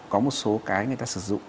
có một số cái người ta sử dụng